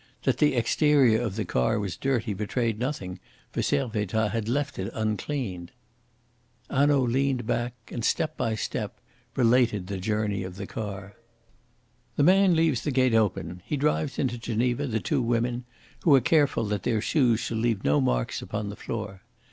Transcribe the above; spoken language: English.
That the exterior of the car was dirty betrayed nothing, for Servettaz had left it uncleaned." Hanaud leaned back and, step by step, related the journey of the car. "The man leaves the gate open; he drives into Geneva the two women, who are careful that their shoes shall leave no marks upon the floor.